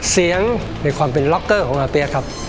เสียงในความเป็นล็อกเกอร์ของอาเปี๊ยกครับ